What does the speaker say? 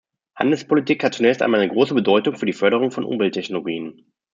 Handelspolitik hat zunächst einmal eine große Bedeutung für die Förderung von Umwelttechnologien.